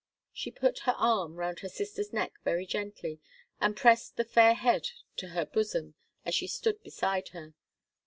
She put her arm round her sister's neck very gently, and pressed the fair head to her bosom, as she stood beside her.